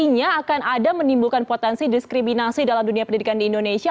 artinya akan ada menimbulkan potensi diskriminasi dalam dunia pendidikan di indonesia